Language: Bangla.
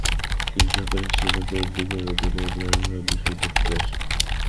তিনি সহকারী হিসেবে পোয়ান্টিংয়ের অধীনে বার্মিংহাম বিশ্ববিদ্যালয়ে ফিরে আসেন।